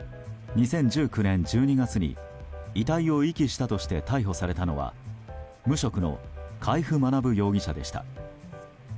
２０１９年１２月に遺体を遺棄したとして逮捕されたのは無職の海部学容疑者でした。